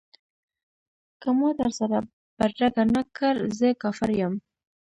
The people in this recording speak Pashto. که ما در سره بدرګه نه کړ زه کافر یم.